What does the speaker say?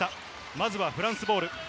まずはフランスボール。